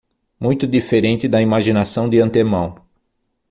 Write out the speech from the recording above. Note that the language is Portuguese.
Muito diferente da imaginação de antemão